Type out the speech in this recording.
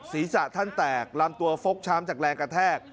ศีรษะท่านแตกลำตัวฟกช้ำจากแรงกระแทก